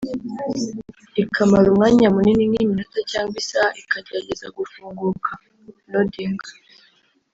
ikamara umwanya munini nk’iminota cyangwa isaha ikigerageza gufunguka (loading)